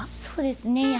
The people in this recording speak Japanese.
そうですね。